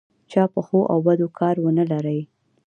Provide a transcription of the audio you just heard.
چا په ښو او بدو کار ونه لري.